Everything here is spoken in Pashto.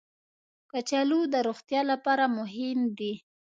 کچالو د روغتیا لپاره مهم دي